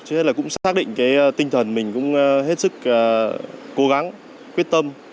chứ là cũng xác định cái tinh thần mình cũng hết sức cố gắng quyết tâm